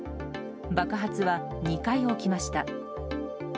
爆発は２回起きました。